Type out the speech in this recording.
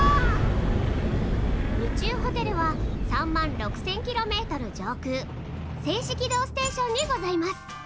宇宙ホテルは３万６，０００ｋｍ上空静止軌道ステーションにございます。